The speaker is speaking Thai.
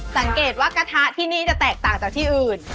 สังเกตว่ากระทะที่นี่จะแตกต่างจากที่อื่น